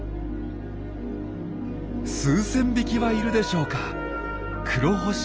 数千匹はいるでしょうか。